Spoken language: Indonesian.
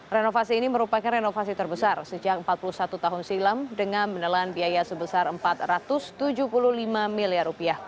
renovasi ini merupakan renovasi terbesar sejak empat puluh satu tahun silam dengan menelan biaya sebesar rp empat ratus tujuh puluh lima miliar